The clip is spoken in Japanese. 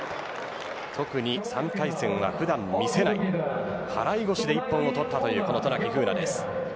特に３回戦は普段見せない払腰で一本を取ったという渡名喜風南です。